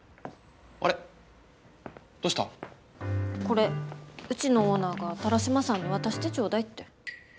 これうちのオーナーが田良島さんに渡してちょうだいって。